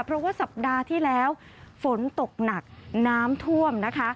เพราะว่าสัปดาห์ที่แล้วฝนตกหนักน้ำท่วมนะคะ